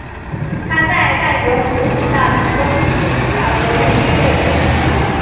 他在代格福什的成功吸引不少国内球会注意。